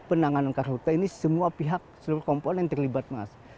penanganan karhut ini semua pihak seluruh komponen terlibat mas